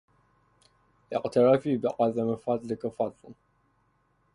إعترافي بعظم فضلك فضل